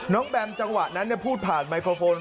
แบมจังหวะนั้นพูดผ่านไมโครโฟน